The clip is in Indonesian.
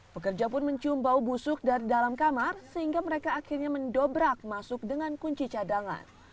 pekerja pun mencium bau busuk dari dalam kamar sehingga mereka akhirnya mendobrak masuk dengan kunci cadangan